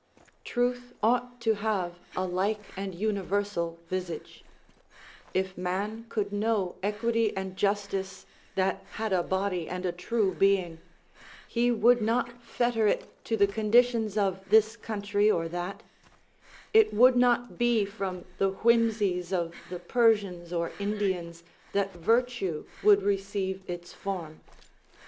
Truth ought to have a like and universal visage; if man could know equity and justice that had a body and a true being, he would not fetter it to the conditions of this country or that; it would not be from the whimsies of the Persians or Indians that virtue would receive its form.